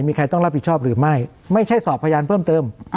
มีใครต้องรับผิดชอบหรือไม่ไม่ใช่สอบพยานเพิ่มเติม